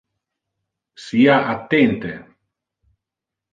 Sia attente.